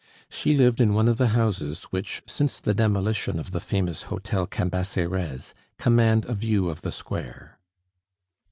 She lived in one of the houses which, since the demolition of the famous Hotel Cambaceres, command a view of the square.